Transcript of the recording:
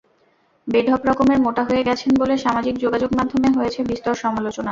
বেঢপ রকমের মোটা হয়ে গেছেন বলে সামাজিক যোগাযোগমাধ্যমে হয়েছে বিস্তর সমালোচনা।